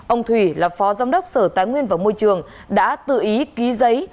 ông thủy là phó giám đốc sở tài nguyên và môi trường đã tự ý ký giấy